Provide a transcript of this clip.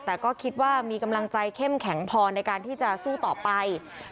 และพ่อพ่อนุ่มแล้วคิดว่ามีกำลังใจเข้มแข็งพอในการที่จะสู้ต่อไป